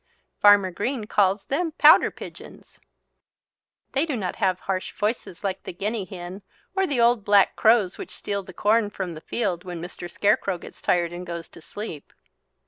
Farmer Green calls them pouter pigeons. They do not have harsh voices like the guinea hen or the old black crows which steal the corn from the field when Mr. Scarecrow gets tired and goes to sleep.